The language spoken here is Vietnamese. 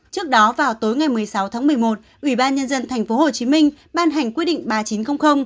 trước đó vào tối ngày một mươi sáu tháng một mươi một ubnd tp hcm ban hành quy định ba nghìn chín trăm linh